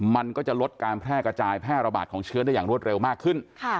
มันก็จะลดการแพร่กระจายแพร่ระบาดของเชื้อได้อย่างรวดเร็วมากขึ้น